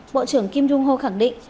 bộ trưởng kim jong ho khẳng định